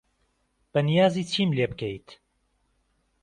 بەنیازی چیم لێ بکەیت؟